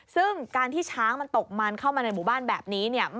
ซึ่งการที่ช้างมันตกมันเข้ามาในหมู่บ้านแบบนี้เนี่ย